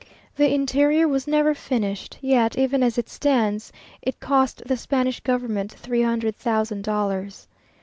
The interior was never finished; yet, even as it stands, it cost the Spanish government three hundred thousand dollars.